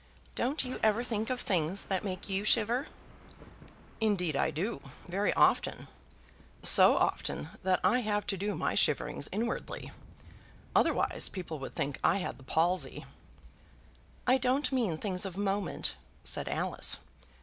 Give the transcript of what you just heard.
Don't you ever think of things that make you shiver?" "Indeed I do, very often; so often that I have to do my shiverings inwardly. Otherwise people would think I had the palsy." "I don't mean things of moment," said Alice.